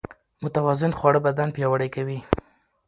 متوازن خواړه بدن پياوړی کوي.